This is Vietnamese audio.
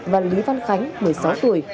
và lý văn khánh một mươi sáu tuổi